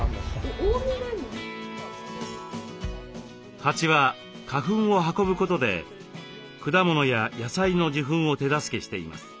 蜂は花粉を運ぶことで果物や野菜の受粉を手助けしています。